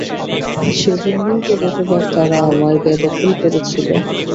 সেজন্যই তো গতবার তারা আমায় বেদখল করেছিল।